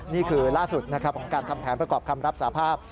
นี่คือล่าสุดนะครับของการทำแผนประกอบคำรับสาภาพ